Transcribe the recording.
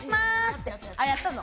ってやったの。